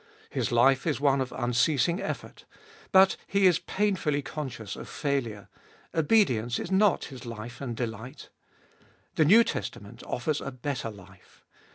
His life is one of unceasing effort. But he is painfully conscious of failure ; obedience is not his life and delight. The New Testament offers a better life.